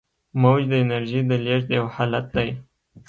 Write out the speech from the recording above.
موج د انرژۍ د لیږد یو حالت دی.